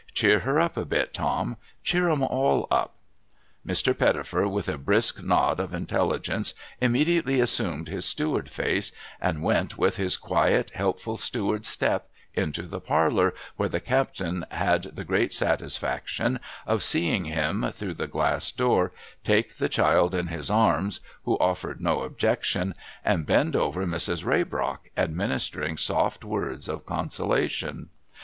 Cheer her up a bit, Tom. Cheer 'em all up.' Mr, Pettifer, with a brisk nod of intelligence, immediately assumed his steward face, and went with his quiet, helpful, steward step into the parlour, where the captain had the great satisfaction of seeing him, through the glass door, take the child in his arms (who offered no objection), and bend over Mrs. Raybrock, administering soft words of consolation.